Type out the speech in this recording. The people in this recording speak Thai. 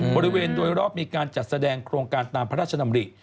บริเวณโดยรอบมีการจัดแสดงโครงการตามพระราชดำริ